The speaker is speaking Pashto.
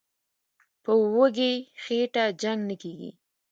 "په وږي خېټه جنګ نه کېږي".